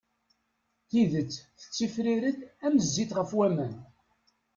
Tidet tettifrir-d am zzit ɣef waman.